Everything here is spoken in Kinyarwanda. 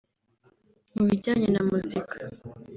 Mu bijyane na muzika